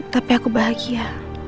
tapi aku bahagia